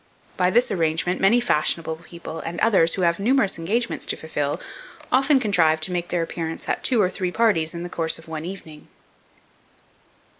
By this arrangement, many fashionable people and others, who have numerous engagements to fulfil, often contrive to make their appearance at two or three parties in the course of one evening.